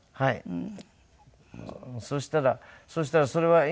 うん。